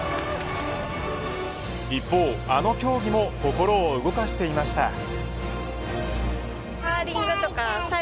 一方、あの競技も心を動かしていました。